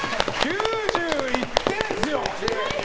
９１点っすよ！